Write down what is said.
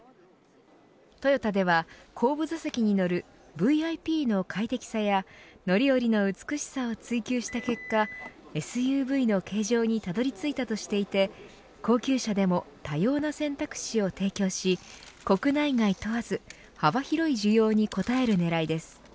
トヨタでは後部座席に乗るＶＩＰの快適さや乗り降りの美しさを追求した結果ＳＵＶの形状にたどり着いたとしていて高級車でも多様な選択肢を提供し国内外問わず幅広い需要に応える狙いです。